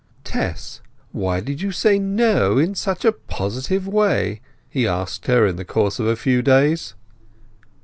"Tess, why did you say 'no' in such a positive way?" he asked her in the course of a few days.